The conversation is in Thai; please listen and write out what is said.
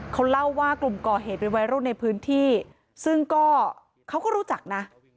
เขาเล่าว่ากลุ่มก่อเหตุเป็นวัยรุ่นในพื้นที่ซึ่งก็เขาก็รู้จักนะ